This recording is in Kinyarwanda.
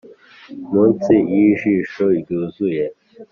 munsi y'ijisho ryuzuye,